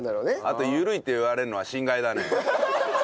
あと緩いって言われるのは心外だね。